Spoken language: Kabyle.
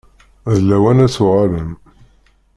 D lawan ad tuɣalem.